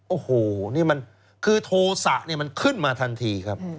โอ้โหนี่มันคือโทษะเนี่ยมันขึ้นมาทันทีครับ